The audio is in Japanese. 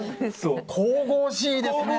神々しいですね。